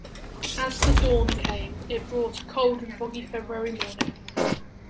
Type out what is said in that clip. As the dawn came, it brought a cold and foggy February morning.